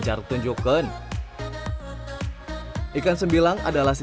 berapa inkusan lélai lakla